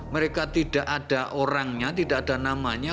mereka tidak ada orangnya tidak ada namanya